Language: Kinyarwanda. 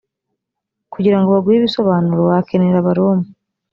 kugira ngo baguhe ibisobanuro wakenera abaroma